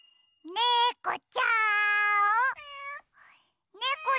ねこちゃん！